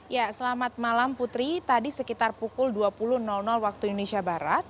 ya selamat malam putri tadi sekitar pukul dua puluh waktu indonesia barat